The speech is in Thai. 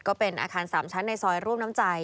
ก็เป็นอาคาร๓ชั้นในซอยร่วมน้ำใจ